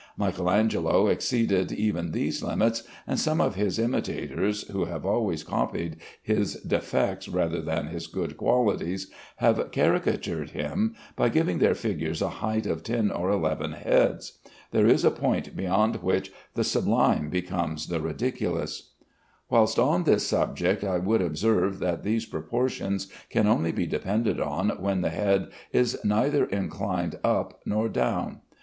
Michael Angelo exceeded even these limits, and some of his imitators, who have always copied his defects rather than his good qualities, have caricatured him by giving their figures a height of ten or eleven heads. There is a point beyond which the sublime becomes the ridiculous. Whilst on this subject, I would observe that these proportions can only be depended on when the head is neither inclined up nor down.